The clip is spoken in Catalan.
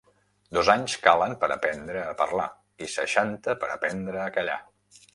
Dos anys calen per aprendre a parlar, i seixanta per aprendre a callar.